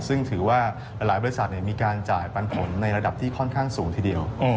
ซึ่งถือว่าหลายบริษัทมีการจ่ายปันผลในระดับที่ค่อนข้างสูงทีเดียว